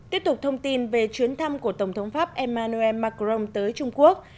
tiếp tục thông tin về chuyến thăm của tổng thống pháp emmanuel macron tới trung quốc